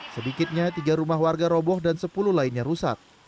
sedikitnya tiga rumah warga roboh dan sepuluh lainnya rusak